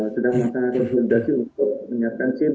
sedang melakukan konsultasi untuk menyiapkan cb